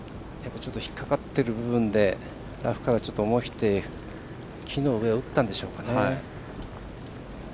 ちょっと引っ掛かってる部分でラフから思い切って木の上を打ったんでしょうかね。